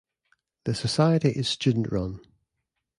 The society is student-run.